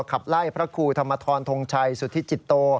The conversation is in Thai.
ขับไล่พระครูธรรมทรทงชัยสุธิจิตโต